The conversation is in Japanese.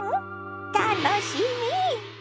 楽しみ！